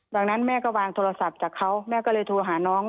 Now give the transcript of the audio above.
ดังนั้นแม่ก็วางโทรศัพท์จากเขาแม่ก็เลยโทรหาน้อง